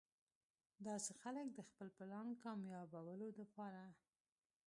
داسې خلک د خپل پلان کاميابولو د پاره